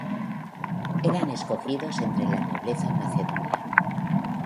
Eran escogidos entre la nobleza macedonia.